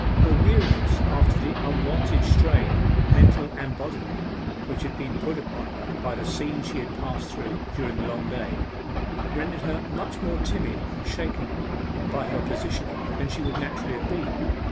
Her weariness after the unwonted strain, mental and bodily, which had been put upon her by the scenes she had passed through during the long day, rendered her much more timid and shaken by her position than she would naturally have been.